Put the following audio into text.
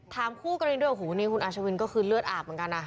ถามคู่กรณีด้วยหรอโหคุณอาชวินก็คือเลือดอาบเหมือนกันอ่ะ